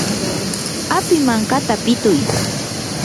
api mankata pituy.